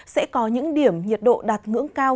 sẽ có những điểm nhiệt độ đạt ngưỡng cao